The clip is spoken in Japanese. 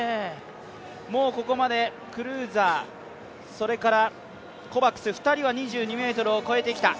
もうここまでクルーザー、それからコバクス２人は２２ｍを越えてきた。